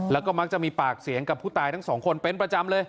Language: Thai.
แล้วก็มักจะมีปากเสียงกับผู้ตายทั้งสองคนเป็นประจำเลย